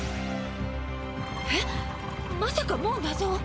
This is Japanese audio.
えっまさかもうなぞを！？